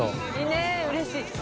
ねぇうれしい。